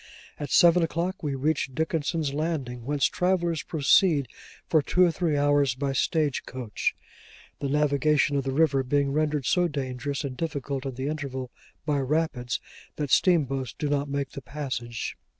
At seven o'clock we reached Dickenson's Landing, whence travellers proceed for two or three hours by stage coach: the navigation of the river being rendered so dangerous and difficult in the interval, by rapids, that steamboats do not make the passage.